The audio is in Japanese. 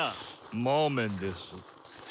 魔ーメンです。